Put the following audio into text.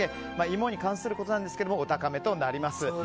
芋に関することなんですがお高めとなります。